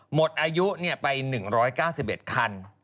หมดอายุไป๑๙๑คัน